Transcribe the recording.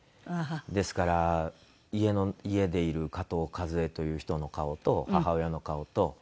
ですから家でいる加藤和枝という人の顔と母親の顔と。